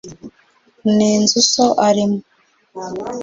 Ni Inzu so arimo.